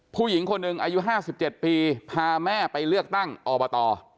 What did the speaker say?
ผู้หญิงคนหนึ่งอายุ๕๗ปีพาแม่ไปเลือกตั้งอบต